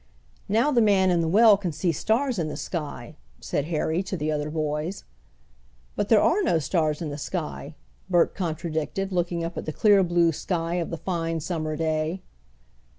"Now the man in the well can see stars in the sky," said Harry to the other boys. "But there are no stars in the sky," Bert contradicted, looking up at the clear blue sky of the fine summer day.